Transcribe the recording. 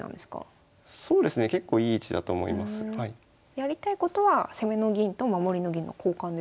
やりたいことは攻めの銀と守りの銀の交換ですか？